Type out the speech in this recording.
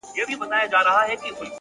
مثبت فکر د ناامیدۍ ځای تنګوي،